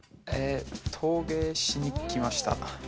陶芸しに来ました。